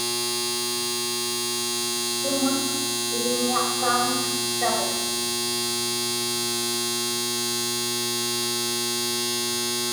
Sumun iḷiñiaqpauŋ savik?